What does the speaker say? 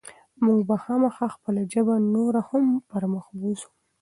موږ به خامخا خپله ژبه نوره هم پرمخ بوځو.